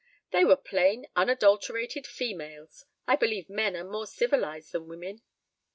They were plain unadulterated females. I believe men are more civilized than women."